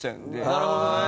なるほどね。